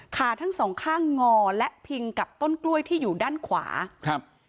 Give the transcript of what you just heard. ขาทั้งสองข้างงอและพิงกับต้นกล้วยที่อยู่ด้านขวาครับ